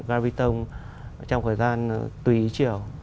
garryton trong thời gian tùy chiều